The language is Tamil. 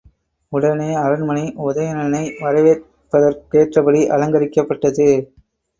உடனே அரண்மனை உதயணனை வரவேற்பதற்கேற்றபடி அலங்கரிக்கப்பட்டது.